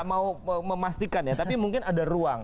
saya nggak mau memastikan ya tapi mungkin ada ruang